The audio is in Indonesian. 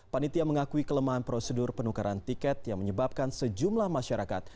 panitia mengakui kelemahan prosedur penukaran tiket yang menyebabkan sejumlah masyarakat